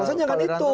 alasannya kan itu